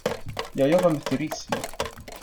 Jag jobbar med turism.